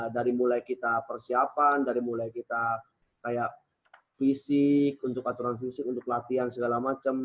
dari mulai kita persiapan dari mulai kita kayak fisik untuk aturan fisik untuk latihan segala macam